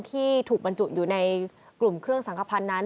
ที่ถูกบรรจุอยู่ในกลุ่มเครื่องสังขพันธ์นั้น